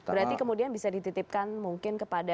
berarti kemudian bisa dititipkan mungkin kepada